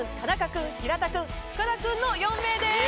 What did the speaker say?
君平田君深田君の４名です。